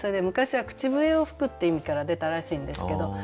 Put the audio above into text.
昔は口笛を吹くって意味から出たらしいんですけど。